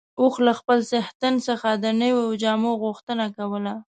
اوښ له خپل څښتن څخه د نويو جامو غوښتنه کوله.